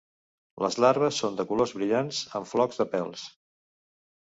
Les larves són de colors brillants, amb flocs de pèls.